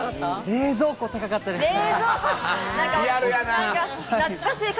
冷蔵庫高かったですね。